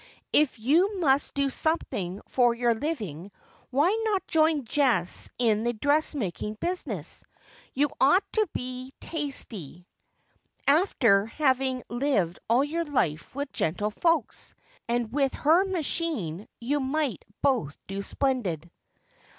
If you must do something'for your living, why not join Jess in the dressmaking business 'I You ought to be tasty, after having liven all your life with gentlefolks : and with her machine jou might both do splendid.'